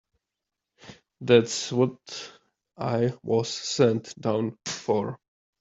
That's what I was sent down for.